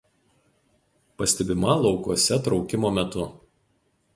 Pastebima laukuose traukimo metu.